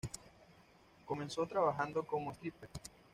Comenzó trabajando como striptease.